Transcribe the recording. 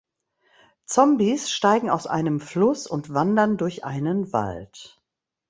Zombies steigen aus einem Fluss und wandern durch einen Wald.